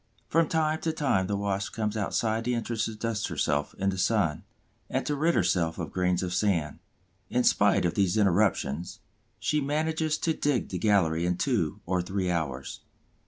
From time to time the Wasp comes outside the entrance to dust herself in the sun, and to rid herself of grains of sand. In spite of these interruptions, she manages to dig the gallery in two or three hours.